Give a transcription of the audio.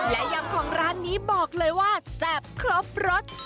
และยำของร้านนี้บอกเลยว่าแซ่บครบรส